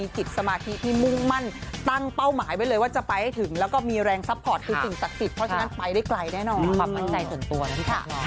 เขาให้มาก่อนอะไรอย่างนี้